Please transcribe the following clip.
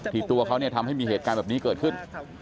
ตัวเขาเนี่ยทำให้มีเหตุการณ์แบบนี้เกิดขึ้น